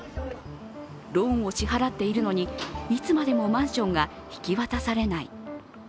ローンを支払っているのにいつまでもマンションが引き渡されない。